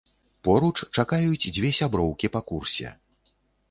Поруч чакаюць дзве сяброўкі па курсе.